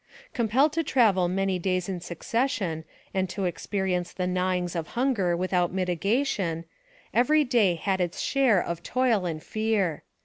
Compelled to travel many days in succession, and to experience the gnawings of hunger without miti gation, every day had its share of toil and fear.